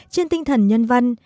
trên tinh thần nhân văn